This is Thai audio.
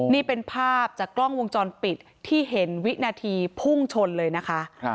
นี่เป็นภาพจากกล้องวงจรปิดที่เห็นวินาทีพุ่งชนเลยนะคะ